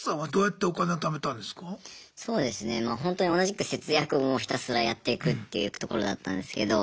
ホントに同じく節約をひたすらやっていくっていうところだったんですけど。